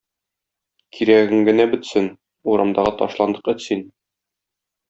Кирәгең генә бетсен – урамдагы ташландык эт син!